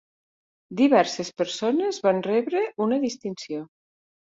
Diverses persones van rebre una distinció.